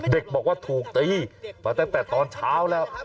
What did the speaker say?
เด็กบอกว่าถูกตีมาตั้งแต่ตอนเช้าแล้ว